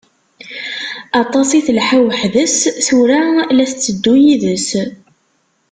Aṭas i telḥa weḥd-s, tura la iteddu yid-s.